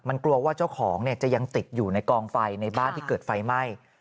มันกลัวว่าเจ้าของจะยังติดอยู่ในกองไฟในบ้านที่เกิดไฟไหม้